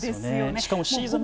しかもシーズン